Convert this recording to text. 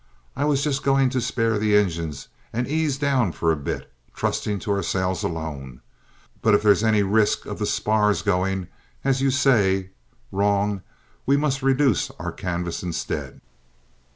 I was just going to spare the engines and ease down for a bit, trusting to our sails alone, but if there's any risk of the spars going, as you say, wrong, we must reduce our canvas instead."